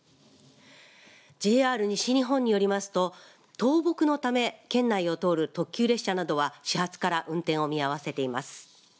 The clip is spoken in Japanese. ＪＲ西日本によりますと倒木のため県内を通る特急列車などは始発から運転を見合わせています。